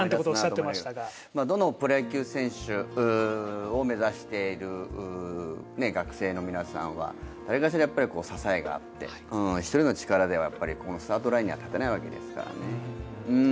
どの、プロ野球選手を目指している学生の皆さんは何かしら支えがあって一人の力ではスタートラインに立てないわけですからね。